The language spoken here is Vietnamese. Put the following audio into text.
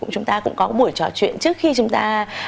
chúng ta cũng có buổi trò chuyện trước khi chúng ta